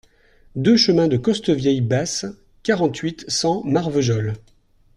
deux chemin de Costevieille Basse, quarante-huit, cent, Marvejols